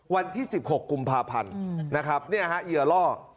วันที่๑๖กุมภาพันธ์นะครับเนี่ยฮะเหยื่อล่อ